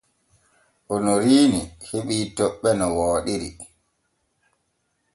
Onoriini heɓii toɓɓe no wooɗiri.